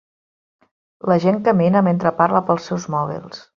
La gent camina mentre parla pels seus mòbils.